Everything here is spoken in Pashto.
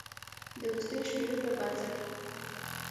د وروستیو شمیرو پر بنسټ